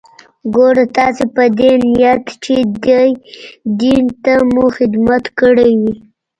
ګوره تاسې په دې نيت چې دين ته مو خدمت کړى وي.